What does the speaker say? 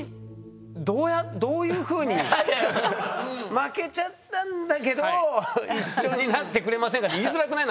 負けちゃったんだけど一緒になってくれませんか？って言いづらくない？